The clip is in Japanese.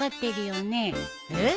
えっ？